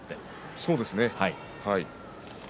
そうですね。